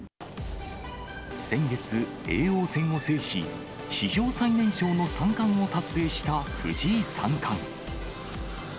先月、叡王戦を制し、史上最年少の三冠を達成した藤井三冠。